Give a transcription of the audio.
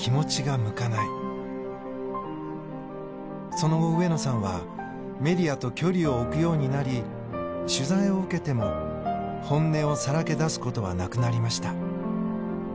その後上野さんはメディアと距離を置くようになり取材を受けても本音をさらけ出す事はなくなりました。